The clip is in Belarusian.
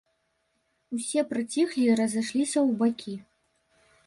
Усе прыціхлі і разышліся ў бакі.